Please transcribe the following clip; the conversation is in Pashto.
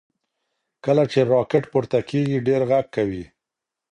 کله چې راکټ پورته کیږي ډېر غږ کوي.